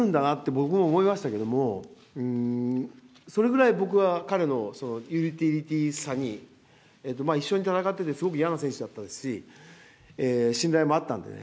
僕も思いましたけれども、それぐらい、僕は彼のユーティリティーさに一緒に戦っていて、すごく嫌な選手でしたし、信頼もあったんでね。